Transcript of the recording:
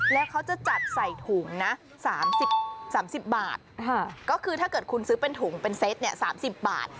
แล้วเขาจะจัดใส่ถุงนะ๓๐๓๐บาทก็คือถ้าเกิดคุณซื้อเป็นถุงเป็นเซต๓๐บาท